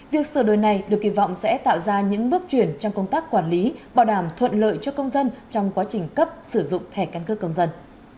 việc sửa đổi này được kỳ vọng sẽ tạo ra những bước chuyển trong công tác quản lý bảo đảm thuận lợi cho công dân trong quá trình cấp sử dụng thẻ căn cước công dân